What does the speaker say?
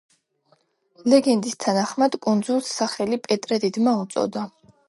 ლეგენდის თანახმად კუნძულს სახელი პეტრე დიდმა უწოდა.